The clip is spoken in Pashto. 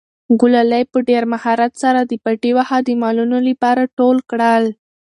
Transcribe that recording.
ګلالۍ په ډېر مهارت سره د پټي واښه د مالونو لپاره ټول کړل.